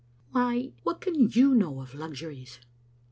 " Why, what can you know of luxuries?"